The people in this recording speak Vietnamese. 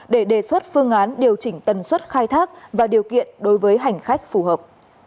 để đề xuất phương án điều chỉnh tần suất khai thác và điều kiện đối với hành khách phù hợp